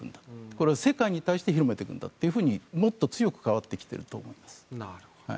これを世界に対して広めていくんだともっと強く変わってきていると思います。